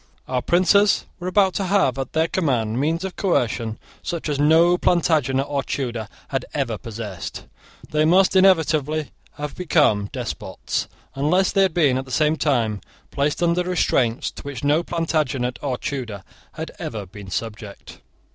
Our princes were about to have at their command means of coercion such as no Plantagenet or Tudor had ever possessed. They must inevitably have become despots, unless they had been, at the same time, placed under restraints to which no Plantagenet or Tudor had ever been subject.